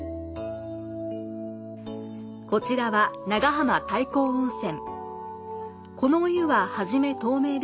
こちらは長浜太閤温泉。